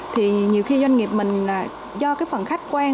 thì nhiều khi doanh nghiệp mình là do cái phần khách quan